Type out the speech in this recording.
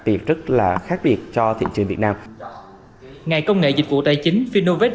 việc rất là khác biệt cho thị trường việt nam ngày công nghệ dịch vụ tài chính finnovate